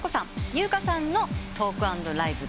由薫さんのトーク＆ライブです。